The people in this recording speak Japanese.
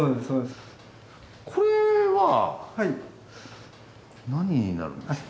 これは何になるんでしょうか？